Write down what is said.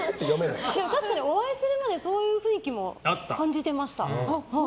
確かにお会いするまでそういう雰囲気も感じていました。